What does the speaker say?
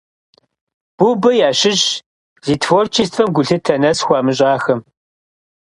Бубэ ящыщщ зи творчествэм гулъытэ нэс хуамыщӀахэм.